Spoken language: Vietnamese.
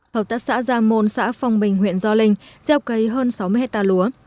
hợp tác xã giang môn xã phong bình huyện gio linh gieo cây hơn sáu mươi hectare lúa